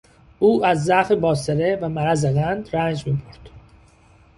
او از ضعف باصره و مرض قند رنج میبرد.